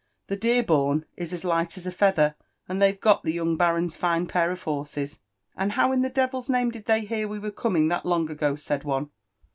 The Deerborn is as light as a feather, and they've got the young baron's fine pair of horses." "And how in the devil's name did they hear we were coming that long ago?" said one.